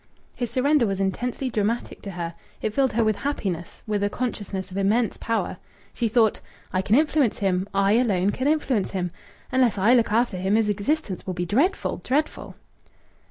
His surrender was intensely dramatic to her. It filled her with happiness, with a consciousness of immense power. She thought: "I can influence him. I alone can influence him. Unless I look after him his existence will be dreadful dreadful."